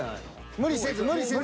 無理せず無理せず。